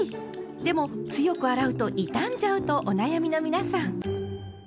でも強く洗うと傷んじゃうとお悩みの皆さん。